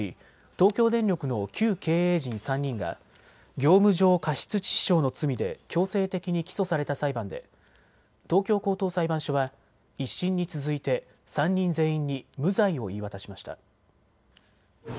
東京電力の旧経営陣３人が業務上過失致死傷の罪で強制的に起訴された裁判で東京高等裁判所は１審に続いて３人全員に無罪を言い渡しました。